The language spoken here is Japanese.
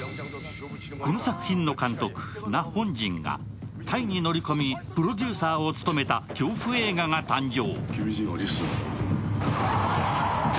この作品の監督、ナ・ホンジンがタイに乗り込みプロデューサーを務めた恐怖映画が誕生。